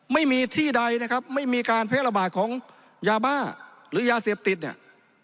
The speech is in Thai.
ไม่มีที่ใดนะครับไม่มีการแพร่ระบาดของยาบ้าหรือยาเสพติดเนี่ย